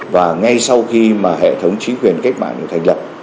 và ngay sau khi mà hệ thống chính quyền cách mạng được thành lập